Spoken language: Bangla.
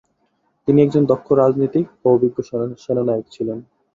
তিনি একজন দক্ষ রাজনীতিক ও অভিজ্ঞ সেনানায়ক ছিলেন।